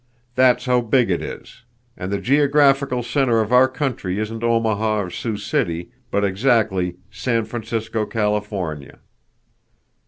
That's how big it is, and the geographical center of our country isn't Omaha or Sioux City, but exactly San Francisco, California."